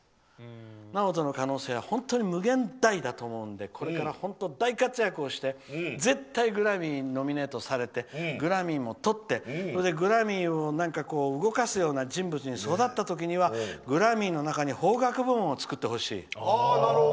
ナオトの可能性は本当に無限大だと思うのでこれから大活躍して絶対にグラミーにノミネートされてグラミーもとってグラミーを動かすような人物に育った時はグラミーの中に邦楽部門を作ってほしい。